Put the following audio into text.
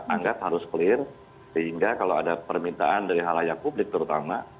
anggap harus clear sehingga kalau ada permintaan dari halayak publik terutama